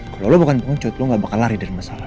kalau lo bukan pengecut lo gak bakal lari dari masalah